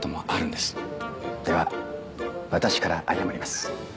では私から謝ります。